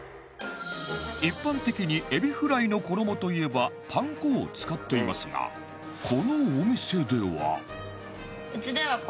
一般的にエビフライの衣といえばパン粉を使っていますがこのお店では